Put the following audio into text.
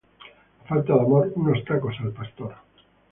A falta de amor, unos tacos al pastor